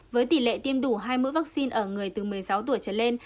với tỷ lệ tiêm đủ hai mũi vaccine ở người từ một mươi sáu tuổi trở lên